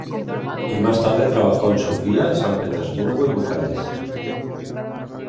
Y más tarde trabajó en Sofía, San Petersburgo y Bucarest.